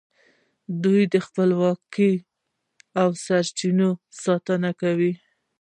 دوی د خپلې خپلواکۍ او سرچینو ساتنه کوي